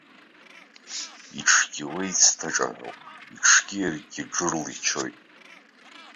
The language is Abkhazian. Иҽгьы уа ицҭаҿаҳәоуп, иҽгьы иаргьы џырла ичоит.